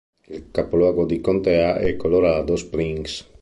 Il capoluogo di contea è Colorado Springs